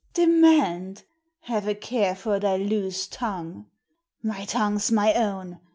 "Demand? Have a care for thy loose tongue!" "My tongue's my own!